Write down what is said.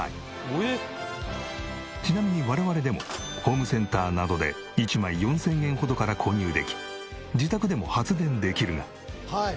ちなみに我々でもホームセンターなどで１枚４０００円ほどから購入でき自宅でも発電できるが。